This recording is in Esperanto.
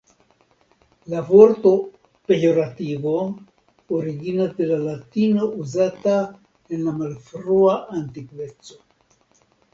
La vorto "pejorativo" originas de la latino uzata en la Malfrua Antikveco.